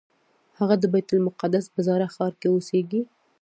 هغه د بیت المقدس په زاړه ښار کې اوسېږي.